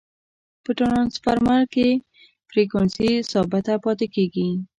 په ټرانسفرمر کی فریکوینسي ثابته پاتي کیږي.